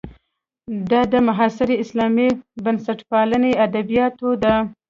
دا د معاصرې اسلامي بنسټپالنې ادبیاتو ده.